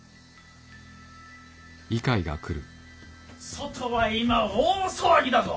外は今大騒ぎだぞ。